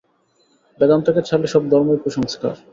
বেদান্তকে ছাড়লে সব ধর্মই কুসংস্কার।